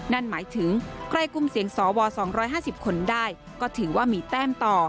นั่นหมายถึงใครกลุ่มเสียงสว๒๕๐คนได้ก็ถือว่ามีแต้มต่อ